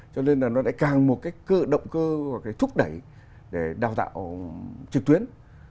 cho nên là nó đã càng một cái cơ động cơ và cái thúc đẩy để đào tạo trực tuyến